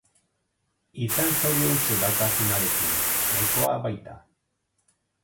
Izan zoriontsu daukazunarekin, nahikoa baita.